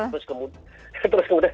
betul terus kemudian